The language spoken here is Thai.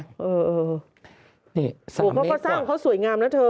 นี่๓เมตรกว่าเขาก็สร้างเขาสวยงามนะเธอ